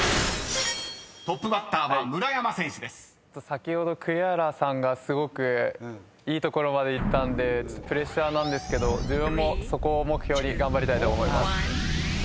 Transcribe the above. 先ほど栗原さんがすごくいい所までいったんでプレッシャーなんですけど自分もそこを目標に頑張りたいと。